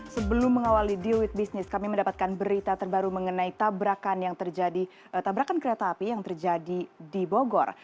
sebelum mengawali deal with business kami mendapatkan berita terbaru mengenai tabrakan kereta api yang terjadi di bogor